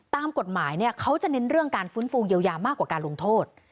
ตามกฎหมายเนี่ยเขาจะเน้นเรื่องการฟื้นฟูเยียวยามากกว่าการลงโทษ